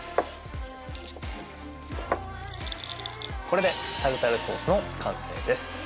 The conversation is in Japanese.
これでタルタルソースの完成です